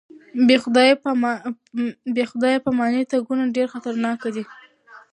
بې خدای پاماني تګونه ډېر خطرناک دي.